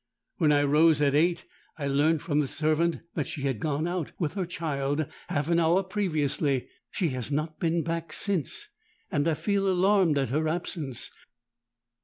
When I rose at eight, I learnt from the servant that she had gone out with her child half an hour previously. She has not been back since; and I feel alarmed at her absence.'